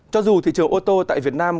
cho dù thị trường ô tô tại việt nam